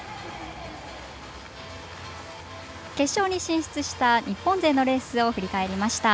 決勝に進出した日本勢のレースを振り返りました。